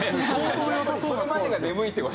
そこまでが眠いって事。